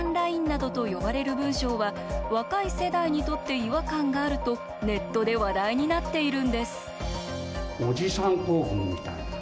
ＬＩＮＥなどと呼ばれる文章は若い世代にとって違和感があるとネットで話題になっているんです